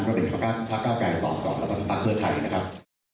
ก็เป็นภาคเก้าไกรตอบก่อนแล้วก็ภาคเบื้อไทยนะครับ